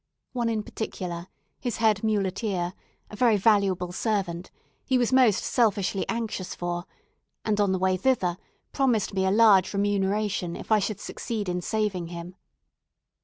One in particular, his head muleteer, a very valuable servant, he was most selfishly anxious for, and, on the way thither, promised me a large remuneration if I should succeed in saving him.